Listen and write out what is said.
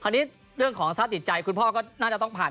คราวนี้เรื่องของสติใจคุณพ่อก็น่าจะต้องผ่าน